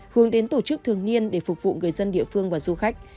hướng đến tổ chức thường niên để phục vụ người dân địa phương và du khách